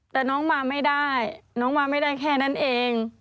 แต่น้องมาไม่ได้น้องมาไม่ได้แค่นั้นเอง